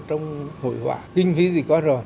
trong hội họa kinh phí gì có rồi